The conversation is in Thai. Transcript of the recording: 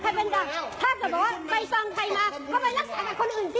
ถ้าเกิดว่าไปส่องใครมาก็ไปรักษาแบบคนอื่นสิ